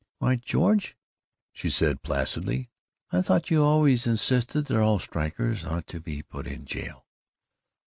"Why, George," she said placidly, "I thought you always insisted that all strikers ought to be put in jail."